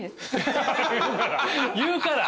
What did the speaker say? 言うから！